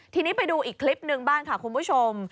ทีนี้ไปดูอีกคลิปหนึ่งบ้างค่ะคุณผู้ชม